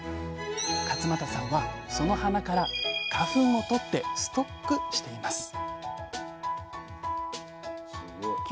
勝間田さんはその花から花粉を取ってストックしています